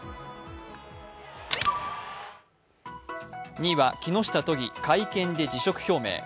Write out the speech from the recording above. ２位は木下都議、会見で辞職表明。